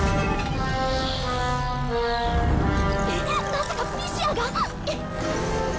まさかピシアが！？